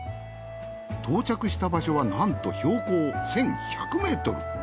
到着した場所はなんと標高１，１００ｍ。